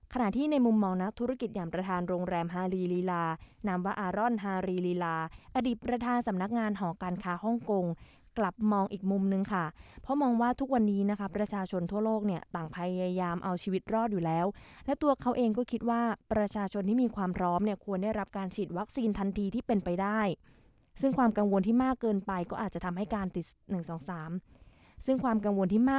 ขณะที่ในมุมมองนักธุรกิจอย่างหนึ่งสองสามขณะที่ในมุมมองนักธุรกิจอย่างหนึ่งสองสามขณะที่ในมุมมองนักธุรกิจอย่างหนึ่งสองสามขณะที่ในมุมมองนักธุรกิจอย่างหนึ่งสองสามขณะที่ในมุมมองนักธุรกิจอย่างหนึ่งสองสามขณะที่ในมุมมองนักธุรกิจอย่างหนึ่งสองสามขณะที่ในมุมม